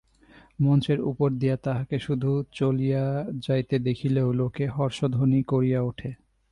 মঞ্চের উপর দিয়া তাঁহাকে শুধু চলিয়া যাইতে দেখিলেও লোকে হর্ষধ্বনি করিয়া উঠে।